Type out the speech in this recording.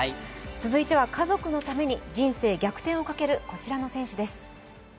続いては、家族のために人生逆転をかける、こちらの選手です。